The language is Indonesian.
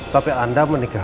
sampai anda menikahi andin